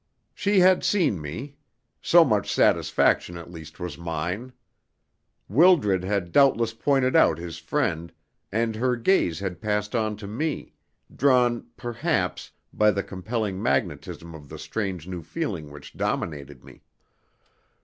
She had seen me. So much satisfaction at least was mine. Wildred had doubtless pointed out his friend, and her gaze had passed on to me drawn, perhaps, by the compelling magnetism of the strange new feeling which dominated me.